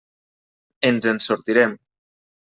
Ens en sortirem.